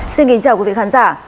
xin kính chào quý vị khán giả